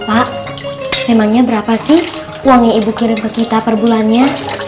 pak emangnya berapa sih uang yang ibu kirim ke kita per bulannya